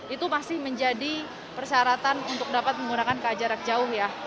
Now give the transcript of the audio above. itu masih menjadi persyaratan untuk dapat menggunakan ka jarak jauh ya